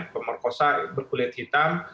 pemerkosa berkulit hitam